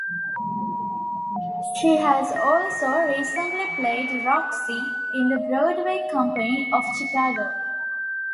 She has also recently played Roxie in the Broadway company of "Chicago".